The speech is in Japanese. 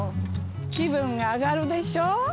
気分が上がるでしょう？